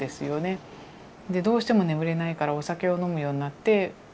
どうしても眠れないからお酒を飲むようになって。